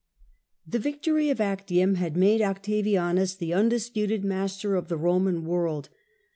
The victory of Actium had made Octavianus the undis puted master of the Roman world.